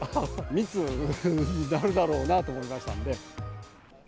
密になるだろうなと思いましたので。